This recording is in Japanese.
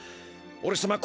おれさま